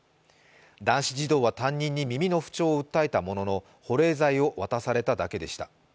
男子児童は担任に耳の不調を訴えものの保冷剤を渡されただけでした。